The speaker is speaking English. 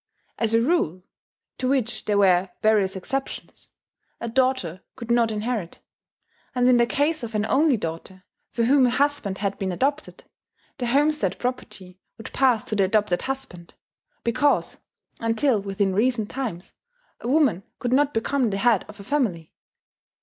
As a rule, to which there were various exceptions, a daughter could not inherit; and in the case of an only daughter, for whom a husband had been adopted, the homestead property would pass to the adopted husband, because (until within recent times) a woman could not become the head of a family.